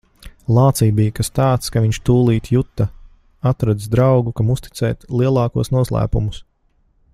Lācī bija kas tāds, ka viņš tūlīt juta - atradis draugu, kam uzticēt lielākos noslēpumus.